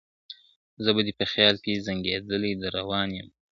زه به دي په خیال کي زنګېدلی در روان یمه `